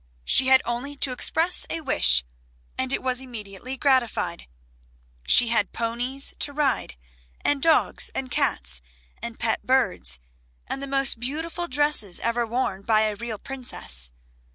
She had only to express a wish and it was immediately gratified. She had ponies to ride, and dogs and cats, and pet birds, and the most beautiful dresses ever worn by real princesses.